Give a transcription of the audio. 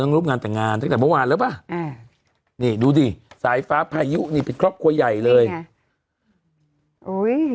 รูปงานแต่งงานตั้งแต่เมื่อวานแล้วป่ะอ่านี่ดูดิสายฟ้าพายุนี่เป็นครอบครัวใหญ่เลยอุ้ย